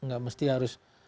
gak mesti harus